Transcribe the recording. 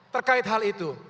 terkait hal itu